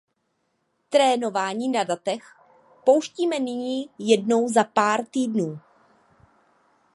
Trénování na datech pouštíme nyní jednou za pár týdnů.